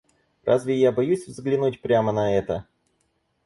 Разве я боюсь взглянуть прямо на это?